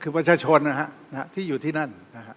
คือวัชชนธรรมที่อยู่ที่นั่น